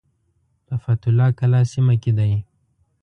په فتح الله کلا سیمه کې دی.